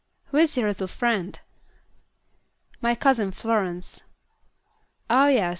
Who is your little friend?" "My cousin Florence." "Ah, yes.